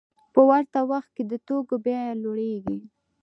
په ورته وخت کې د توکو بیه لوړېږي